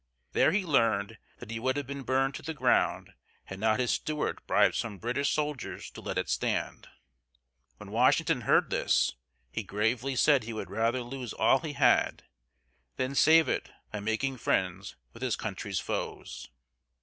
There he learned that it would have been burned to the ground, had not his steward bribed some British soldiers to let it stand. When Washington heard this, he gravely said that he would rather lose all he had, than save it by making friends with his country's foes.